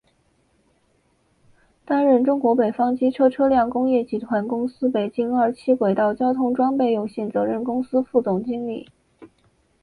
担任中国北方机车车辆工业集团公司北京二七轨道交通装备有限责任公司副总经理。